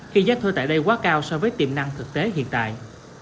khi giá thuê tại đây quá cao so với tiềm năng thực tế hiện tại